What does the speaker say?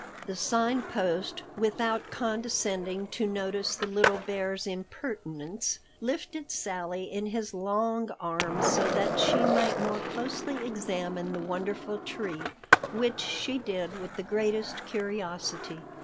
The Sign Post, without condescending to notice the little bear's impertinence, lifted Sally in his long arms so that she might more closely examine the wonderful tree, which she did with the greatest curiosity.